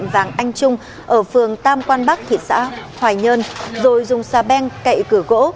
vàng anh trung ở phường tam quan bắc thị xã hoài nhơn rồi dùng xà beng cậy cửa gỗ